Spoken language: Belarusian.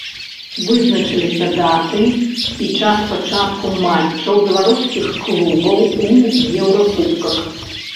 Вызначыліся даты і час пачатку матчаў беларускіх клубаў у еўракубках.